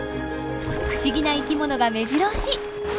不思議な生きものがめじろ押し。